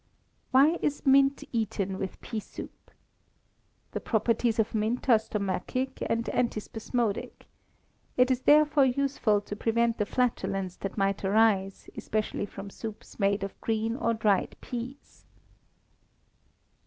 Why is mint eaten with pea soup? The properties of mint are stomachic and antispasmodic. It is therefore useful to prevent the flatulence that might arise, especially from soups made of green or dried peas.